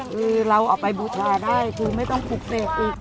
คือเราเอาไปบูชาได้คือไม่ต้องปลูกเสกอีก